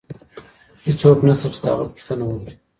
هيڅ څوک نسته چي د هغه پوښتنه وکړي.